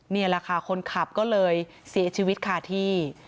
นี่แหละค่ะคนขับก็เลยเสียชีวิตคาที่